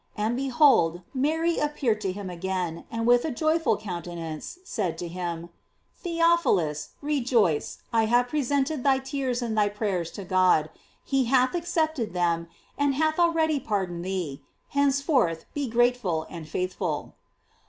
And, behold, Mary appeared to him again, and with a joyful countenance said to him: "Theophilus, rejoice, I have pre sented thy tears and thy prayers to God; he hath accepted them, and hath already pardoned thee; henceforth be grateful and faithful."